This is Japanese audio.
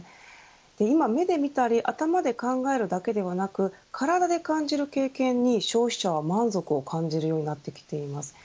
今、目で見たり頭で考えるだけではなく体で感じる経験に消費者は満足を感じるようになってきています。